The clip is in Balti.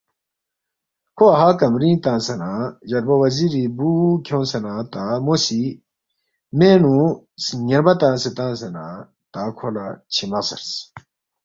کھو اَہا کمرِنگ تنگسے نہ جربا وزیری بُو کھیونگسے نہ تا مو سی مینگ نُو سن٘یرمہ تنگسے تنگسے نہ تا کھو لہ چِھیمہ غزرس